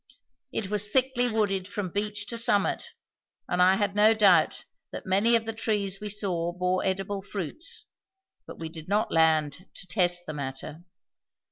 It was thickly wooded from beach to summit, and I had no doubt that many of the trees we saw bore edible fruits; but we did not land to test the matter.